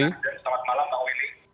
selamat malam bang willy